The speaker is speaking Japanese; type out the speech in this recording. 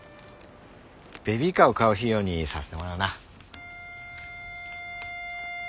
ベビーカーを買う費用にさせてもらうな。